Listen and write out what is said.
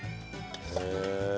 へえ。